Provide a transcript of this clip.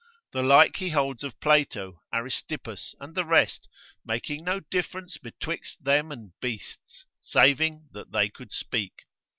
The like he holds of Plato, Aristippus, and the rest, making no difference betwixt them and beasts, saving that they could speak.